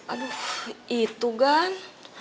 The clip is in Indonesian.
aduh itu gan